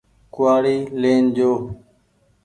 ڪوُ وآڙي لين جو ۔